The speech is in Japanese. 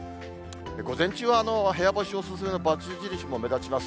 午前中は部屋干しお勧めの×印も目立ちます。